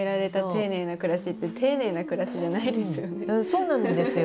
そうなんですよ！